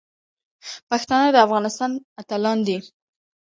پښتانه د افغانستان اتلان دي.